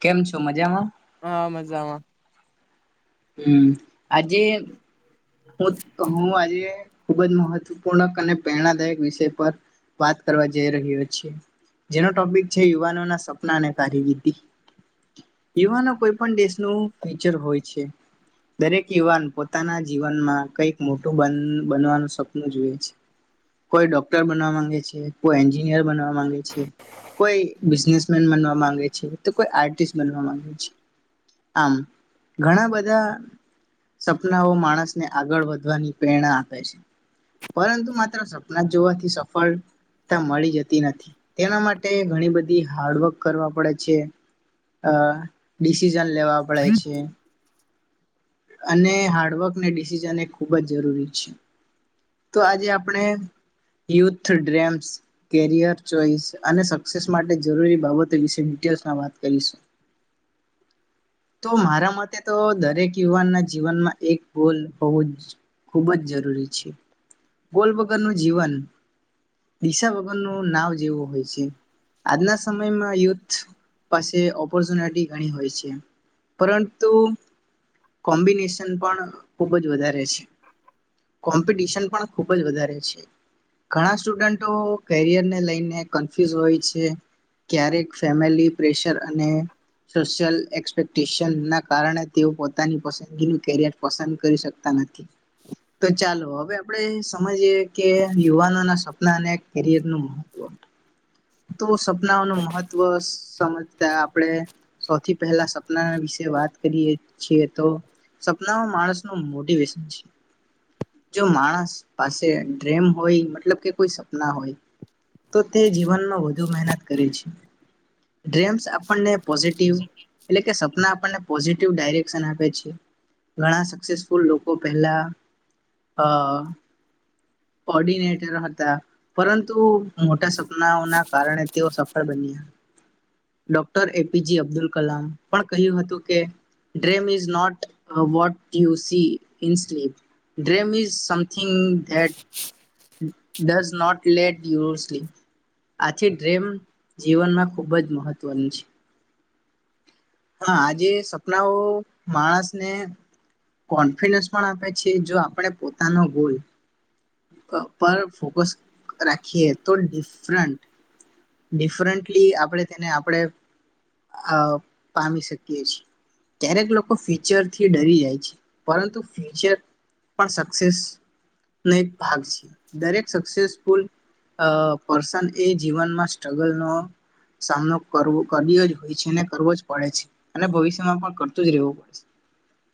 કેમ છો મજામાં હા મજામાં. હમ આજે હું હું આજે ખુબ જ મહત્વપૂર્ણ અને પ્રેરણાદાયક વિષય પર વાત કરવા જઈ રહ્યો છ જેનો ટોપિક છે યુવાનો ના સપના અને કારવિધિ યુવાનો કોઈ પણ દેશનું ફચર હોય છે. દરેક યુવાન પોતાના જીવનમાં કઈક મોટું બનવાનું સપનું જોએ છે કોઈ ડોક્ટર બનવા માંગે છે કોઈ એન્જિનિયર બનવા [inaudible] બનવા માંગે છે, તો કોઈ આર્ટિસ્ટ બનવા માંગે છે, આમ ઘણા બધા બ સપનાઓ માણસને આગળ વધવાની પ્રેરણા આપે છે પરંતુ માત્ર સપના જોવાથી સફળતા મળી જતી નથી તેના માટે ઘણી બધી હાર્ડવર્ક કરવા પડે છે. લેવા પડે છે. અને હાર્ડવર્કને ડિસિઝન એ ખૂબ જ જરૂરી છે તો આજે આપણે યુથ ડ્રીમ્સ કેરિયર ચોઈસ અને સક્સેસ માટે જરૂરી બાબતો વિશે ડિટેઈલ્સ માં વાત કરીશું. તો મારા મતે તો દરેક યુવાનના જીવનમાં એક ગોલ હોવું જ ખૂબ જ જરૂરી છે ગોલ વગરનું જીવન દિશા વગરનું નાવ જેવું હોય છે આજના સમયમાં યુથ પાસે ઓપોર્ચુનિટી ઘણી હોય છે પરંતુ. કોમ્બિનેશન પણ ખૂબ જ વધારે છે કોમ્પિટિશન પણ ખૂબ જ વધારે છે ઘણા સ્ટુડન્ટો કેરિયરને લઈને કન્ફ્યુઝ હોય છે ક્યારેક ફેમિલી પ્રેશર અને સોશિયલ એક્સપેક્ટેશન ના કારણે તેઓ પો પોતાની પસંદગી ન કેરિયર પસંદ કરી શકતા નથી. તો ચાલો હવે આપડે સમજ કે યુવાનો ના સપ સપિયર નું મહત્વ તો સપનાઓનું મહત્વ સમજતા આપણે સૌથી પહેલા સપના વિશે વાત કરીએ. તો સપનામાં માણસ નું મોટિવેશન છે જો માણસ પાસે ડ્રેમ હોય મતલબ કે કોઈ હોય તો તે જીવનમાં વધુ મહેનત મ આપણને પોઝિટિવ એટલે કે સપના પોઝિટિવ ડાયરેક ઘણા સસેસફુલ લોકો પહેલા કોર્ડિનેટર હતા પરંતુ મોટા સપનાઓના કારણે તેઓ સફળ બન્યા ડોક્ટર એપીજી અબ્દુલ કલામ પણ કહ્યું હતું કે dream is not what you see in sleep dream is something that does not let you sleep આથી ડ્રેમ જીવનમાં ખૂબ જ મહત્વનું છે. હા આજે સપનાઓ માણસને કોન્ફિડન્સ પણ આપે છે જો આપણે પોતાનો ગોલ પર ફોકસ રાખીએ. તો ડિફરંન્ટ ડિફરન્ટલી આપણેે તેને આપણે પામી શકીએ છીએ ક્યારેક લોકો ફ્યુચરથી ડરી જાય છે પરંતુ ફ્યુચર પણ સક્સેસનોો એક ભાગ છે દરેક સક્સેસફુલ પર્સન એ જીવનમાં સ્ટ્રગલનો સામનો કરવો કર્યો. હોય છે ને કરવો જ પડે છે અને ભવિષ્યમાં પણ કરતું જ રહેવું પડે છે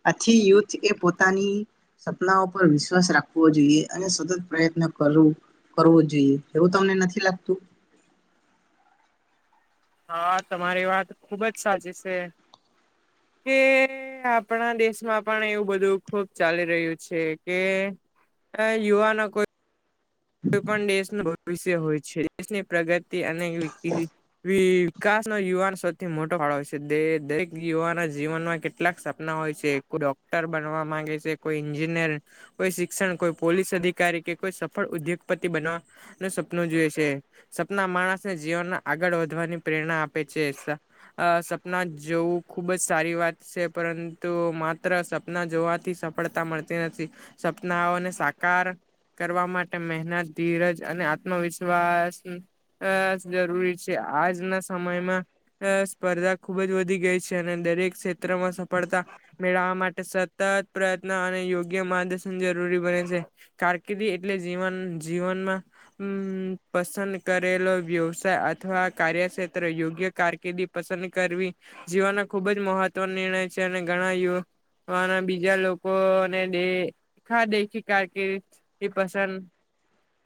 આથી યુથ એ પોતાની સપનાઓ પર વિશ્વાસ રાખવો જોઈએ અને સતત પ્રયત્ન કરવો કરવો જોઈએ એવું તમને નથી લાગતું. હા તમારી વાત ખુબ જ સાચી છે કે આપણા દેશમાં પણ એવું બધું ખૂબ ચાલી રહ્યું છે કે યુવાનો કોઈ કોઈ પણ દેશનું ભવિષ્ય હોય છે દેશની પ્રગતિ તે અનેક વિકતિ વિકાસ નો યુવાન સૌથી મોટો ફાળો હોય છે. દરેક યુવાના જીવનમાં કેટલાક સપના હોય છે. કોઈ ડોક્ટર બનવા માંગે છે, કોઈ એન્જિનિયર, કોઈ શિક્ષણ, કોઈ પોલીસ અધિકારી કે કોઈ સફળ ઉદ્યોગ સપનું જોઈએ છે સપના માણસને જીવનમાં આગળ વધવાની પ્રેરણા આપે છે સપના જોવું ખુબ જ સારી વાત છે પરંતુ માત્ર સપના જોવાથી સફળતા મળતી નથી સપનાઓને સાકાર કરવા માટે મેં ધીરજ અને આત્મવિશ્વાસ અ જરૂરી છે આજના સમયમાં સ્પર્ધા ખુબ જ વધી ગઈ છે અને દરેક ક્ષેત્રમાં સફળતા મેળવવા માટે સતત પ્રયત્ન અને યોગ્ય માર્ગદર્શન જરૂરી બને છે કારકિર્દી એટલે જીવન જીવનમાં પસંદ કરેલો વ્યવસાય અથવા કાર્યક્ષેત્ર યોગ્ય કારકિર્દી પસંદ કરવી જીવનનો ખુબ જ મહત્વ નિર્ણય છે અને ઘણા યના બીજા લોકોને દેખા દેખી કારકિર્દી પસંદ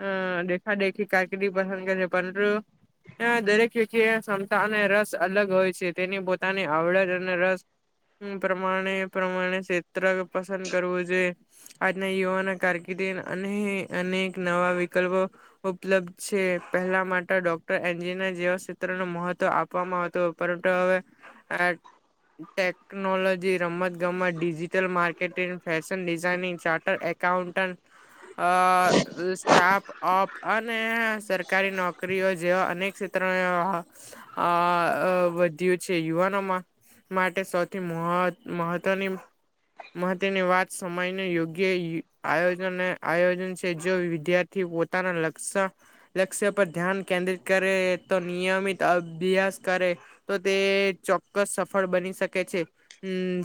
અ દેખા દેખી કારકિર્દી પસંદ કરે છે પરંતુ દરેક વ્યક્તિ ક્ષમતા અને રસ અલગ હોય છે તેની પોતાની આવડત અને રસ પ્રમાણે પ્રમાણે ક્ષેત્ર પસંદ કરવું જોઈએ આજના યુવાના કારકિર્દી અને નવા વિકલ્પો ઉપલબ્ધ છે પહેલા માટે ડોક્ટર, એન્જિનયર, જેવા સૂત્રને મહત્વ આપવામાં આવતું પરંતુ હવે ટેકનોલોજી, રમત ગમત, digital marketing, fashion designing, charter accountant startup અને સરકારી નોકરીઓ જેવા અનેક ક્ષેત્ર આ વધ્યું છે યુવાનો માટે સૌથી મહ મહવની મહત્વની વાત સમયને યોગ્ય આયોજન આયોજન જો વિદ્યાર્થી પોતાના લક્ષ લક્ષ્ય પર ધ્યાન કેન્દ્રિત કરે તો નિયમિત અભ્યાસ કરે તો તે ચોક્કસ સફળ બની શકે છે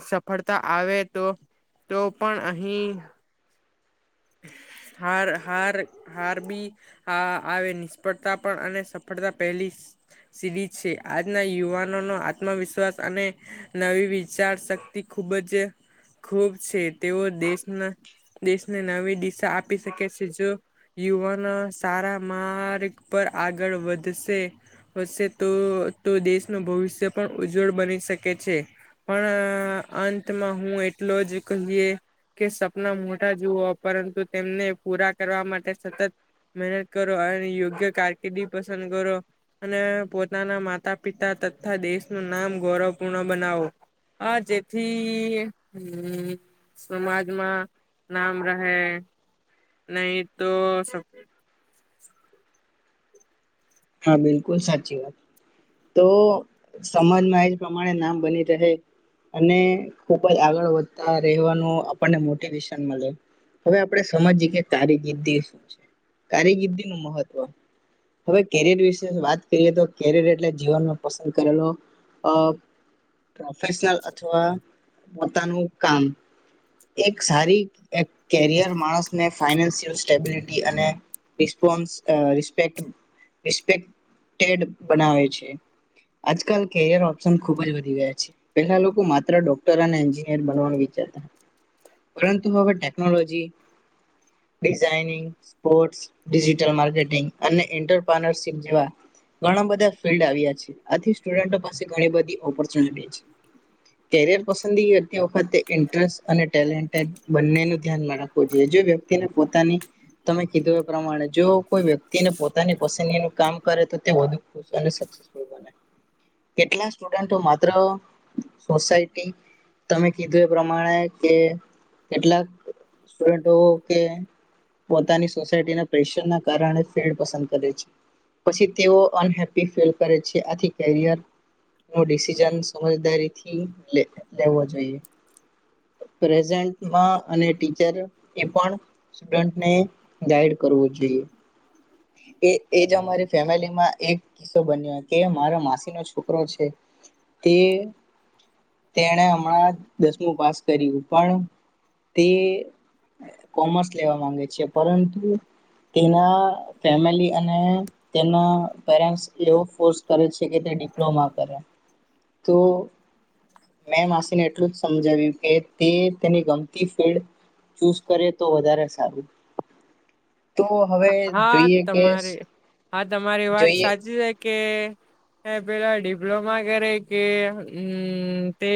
સફળતા આવે તો તો પણ અહી હાર, હાર, હાર બી આવે નિષ્ફળતા પણ અને સફળતા પહેલી સીડી છે આજના યુવાનોનો આત્મવિશ્વાસ અને નવી વિચાર શક્તિ ખૂબ જ ખૂબ છે તેઓ દેશના દેશ નવી દિશા આપી શકે છે જો યુવાનો સારા માર્ગ પર આગળ વધશે હશે તો તો દેશનું ભવિષ્ય પણ ઉજ્જવળ બની શકે છે પણ અંતમાં હું એટલો જ કહીએ કે સપના મોટા જુઓ પરંતુ તેમને પૂરા કરવા માટે સતત મહેનત કરો અને યોગ્ય કારકિર્દી પસંદ કરો અને પોતાના માતા પિતા તથા દેશનું નામ ગૌરવપૂર્ણ બનાવો આ જેથી હ સમાજમાં નામ રહે નહી તો સ હા બિલકુલ સાચી વાત તો સમાજમાં એજ પ્રમાણે નામ બની રહે અને ખુબ જ આગળ વધતા રહેવાનું આપણને મોટિવેશન મળે હવે આપણે સમજ જએ કારગિર્દી શું છે કારગિર્દી નું મહત્વ હવે કેરિયર વિશે વાત કરીએ તો કેરિયર એટલે જીવનમાં પસંદ કરેલો અ પ્રોફેશનલ અથવા પોતાનું કામ એક સારી કેરિયર માણસને ને ફાઈનાન્શિયલ સ્ટેબિલિટી અને એએ રિસ્પોન્સ અ રિસ્પેક્ટ રિસ્પેક્ટેડ બનાવે છે, આજકાલ કેર ઓપ્શન ખુબ જ વધી ગયા છે, પહેલા લોકો માત્ર ડોક્ટર અને એન્જિનિયર બનવાનું વિચતા પરંતુ હવે technology, designing, sports, digital marketing અને ઇન્ટર [unintelligible] સિગ્યુ આ ઘણા બધા ફિલ્ડ આવ્યા છે, આથી સ્ટુડન્ટ્સ ઓ પાસે ઘણી બધી ઓપર્ જન બે છે, કેરે પસંદગીતી વેકટે વખત ઇન્ટરેસ્ટ અને ટેલેન્ટેએક બંનેનું ધ્યાન મેળવતું જ રે, જે વ્યક્તિને પોતાની તમે કીધું એ પ્રમાણે જો કોઈ વ્યક્તિને પોતાની પસંદગીનું કામ કરે તો તે વધુ [unintelligible] સક્સેસ ફુલ બને, કેટલાક સ્ટુડન્ટઓ માત્ર આ સોસાયટી તમે કીધું એ પ્રમાણે કે કેટલાક સ્ટુડન્ટઓ કે પોતાની સોસાયટીના પ્રેશરના કારણે ને ફેડ પસંદ કરે છે, પછી તેઓ અનહેપ્પી ફીલ કરે છે, આથી કેરિયર નો ડિસિઝન સમજદારીથી લે લેવો જોઈ, પ્રેઝન્ટ માં અને ટીચર એ પણ સ્ટુડન્ટ્ને ગાઈડ કરવું જોઈએ. એ એજ અમારી ફેમિલીમાં એક કિસ્સો બન્યો કે મારા માસીનો છોકરો છે, તે તેણે હમણાં દસમું પાસ કર્યું પણ તે કોમર્સ લેવા માંગે છે, પરંતુ તેના ફેમિલી અને તેના પેરેન્ટ્સા એવો ફોર્સ કરે છે, કે તે ડિપ્લોમા કરે તો મેં માસીને એટલું જ સમજાવ્યું કે તે તેની ગમતી ફિલ્ડ ચૂઝ કરે, તો વધારે સારું. તો હવે હા જોઈએ કે તમારે હા તમારી વાત જોઈએ સાચી જય કે પેલા ડિપ્લોમા કરે, કે હમમ તે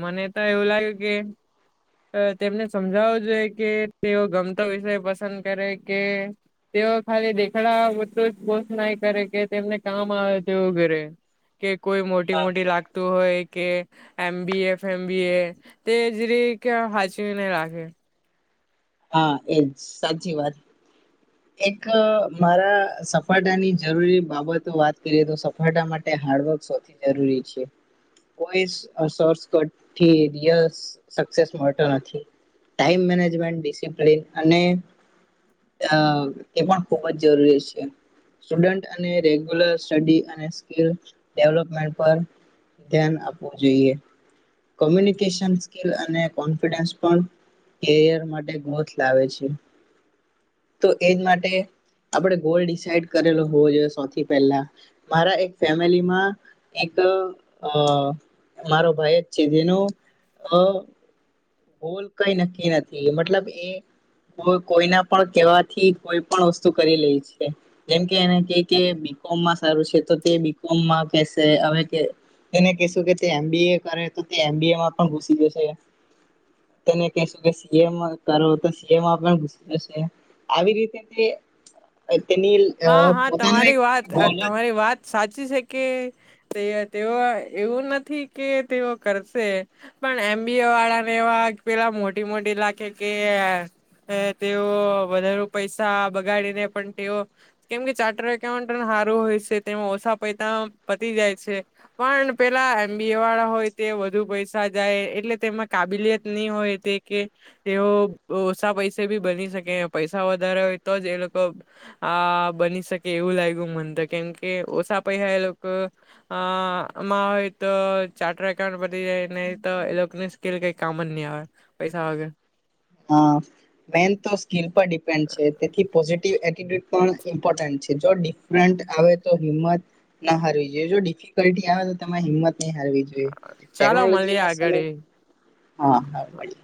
મને તો એવું લાગ્યું કે આ તેમને સમજાવું જોઈએ, કે તેઓ ગમતો વિષય પસંદ કરે, કે તેઓ ખાલી દેખાડવા પૂરતું જ કોર્સ ના કરે, કે તેમને કામ આવે તેવું કરે. કે કોઈ મોટી હા મોટી લાગતું હોય. કે એમ બી એફ એમ બી એ તે જીરીક કે હાચવીને રાખે. હા એજ સાચી વાત એક મારા સફાતાની જરૂરી બાબતો વાત કરીએ તો સફાતા માટે હાર્ડવર્ક સૌથી જરૂરી છે, કોઈ સો આ સોસ કટ થી દિયાસ સક્સેસ મળતો નથી. ટાઈમ મેનેજમેન્ટ એ કે [unintelligible] અને આ એ પણ ખૂબ જ જરૂરી છે, સ્ટુડન્ટ અને રેગ્યુલર સ્ટડી અને સ્કીલ ડેવલપમેન્ટ પર ધ્યાન આપવું જોઈએ, કોમ્યુનિકેશન સ્કીિલ અને કોન્ફિડન્સ પણ કેરિયર માટે ગોથ લાવે છે, તો એજ માટે આપણે ગોલ ડિસાઈડ કરેલો હોવો જોઈએ, સૌથી પહેલા મારા એક ફેમિલીમાં એક આ મારો ભાઈ જ છે, જેનો આ ગોલ કઈ નક્કી નથી, મતલબ એ કોઈ કોઈના પણ કેવાથી કોઈ પણ વસ્તુ કરી લે છે, જેમકે એને કંઇ કે બી. કોમ માં સારું છે, તો તે બી. કોમ માં કેશે હવે, તે તેને કેશુ કે તે એમબીએ એ કરે તો તે એમબીએ માં પણ ઘુસી જશે. તેને કેશું કે સીએમાં કરો, તો સીએમાં પણ ઘુસી જશે આવી રીત તમે એ. [unintelligible] તેની અ હા હા પોતાનો તમારી એક વાત અ, ગોલજ તમારી વાત સાચી છે, કે તે તેઓ એવું નથી કે તેઓ કરશે પણ એમબી એ વાળાને એવા પેલા મોટી મોટી લાગે કે તે તેઓ વધારે પૈસા બગાડીને પણ તેઓ કેમકે ચાર્ટર એકાઉન્ટ હારુ હોય છે, તેમાં ઓછા પૈસા પતી જાય છે, પણ પેલા એમબી એ વાળા હોય તે વધુ પૈસા જાય એટલે તેમાં કાબિલિયત ની હોય, તે કે તેઓ ઓછા પૈસે બી બની શકે પૈસા વધારે હોય, તો જ એ લોકો આ બની શકે એવું લાગ્યું મને તો, કેમકે ઓછા પૈસા એ લોકો આ આમાં હોય, તો ચાર્ટર એકાઉન્ટ બની જાય, ન તો એ લોકોને સ્કીલ કઈ કામન નહી, આવે પૈસા વગર. હા મેન તો સ્કીલ પર ડિપે ડિપેન્ડ છે, તેથી પો જેથી [unintelligible] પણ ઈમ્પોર્ટન્ટ છે, જો ડિફરેન્ટ આવે તો હિંમત ના હારવી જોઈએ, જો ડિફિકલ્ટી આવે તો તમે હિંમત ની હારવી જોઈએ, ચાલો ટેકનોલોજી મળીએ ના આગળ સમય એ હા ખબર પડી.